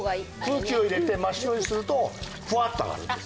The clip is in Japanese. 空気を入れて真っ白にするとフワッとあがるんです